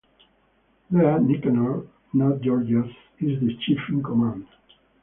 There Nicanor, not Gorgias, is the chief in command.